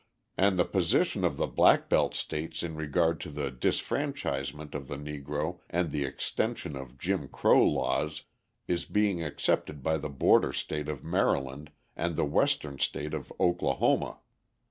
And the position of the black belt states in regard to the disfranchisement of the Negro and the extension of "Jim Crow" laws is being accepted by the border state of Maryland and the Western state of Oklahoma.